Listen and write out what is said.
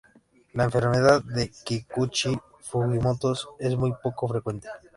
La enfermedad de Kikuchi-Fujimotos es muy poco frecuente.